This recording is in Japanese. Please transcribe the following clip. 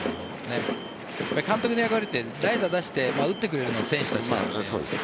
監督の役割は代打を出して打ってくれるのは選手たち。